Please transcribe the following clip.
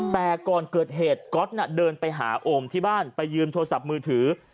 แต่ก่อนเกิดเหตุก๊อตเดินไปหาโอมที่บ้านไปยืมโทรศัพท์มือถือ